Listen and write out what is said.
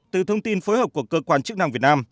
từ thông tin phối hợp của cơ quan chức năng việt nam